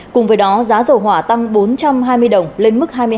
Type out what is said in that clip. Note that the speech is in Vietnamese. cùng với đó giá dầu hỏa giá dầu hỏa giá dầu hỏa giá dầu hỏa